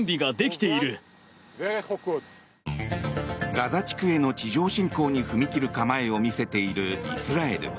ガザ地区への地上侵攻に踏み切る構えを見せているイスラエル。